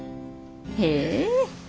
へえ。